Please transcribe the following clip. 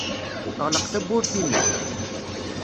Ɣleq tawwurt-inna.